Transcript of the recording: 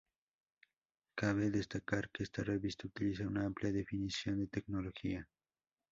Cabe destacar que esta revista utiliza una amplia definición de tecnología.